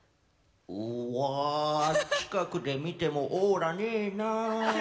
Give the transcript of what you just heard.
「うわ近くで見てもオーラねえな」。